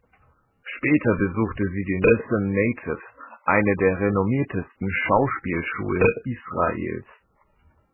Später besuchte sie die Nissan Nativ, eine der renommiertesten Schauspielschulen Israels.